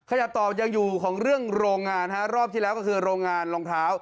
ขยับต่อยังอยู่ของเรื่องโรงงานฮะรอบที่แล้วก็คือโรงงานรองเท้า